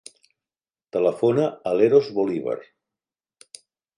Telefona a l'Eros Bolivar.